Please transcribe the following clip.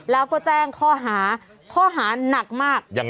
แล้วก็แจ้งข้อหาข้อหานักมาก